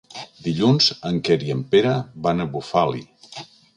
Dilluns en Quer i en Pere van a Bufali.